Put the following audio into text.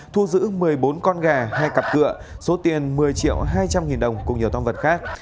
thu giữ một mươi bốn con gà hai cặp cửa số tiền một mươi triệu hai trăm linh nghìn đồng cùng nhiều tam vật khác